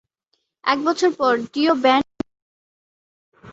এক বছর পর ডিও ব্যান্ড ত্যাগ করেন।